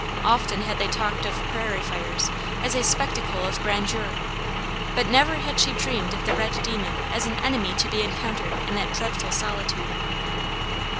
Often had they talked of prairie fires as a spectacle of grandeur. But never had she dreamed of the red demon as an enemy to be encountered in that dreadful solitude.